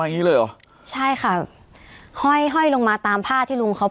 อย่างงี้เลยเหรอใช่ค่ะห้อยห้อยลงมาตามผ้าที่ลุงเขา